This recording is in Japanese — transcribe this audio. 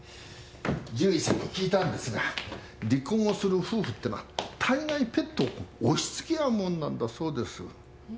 獣医さんに聞いたんですが離婚をする夫婦ってのは大概ペットを押しつけ合うもんなんだそうです。ふーん。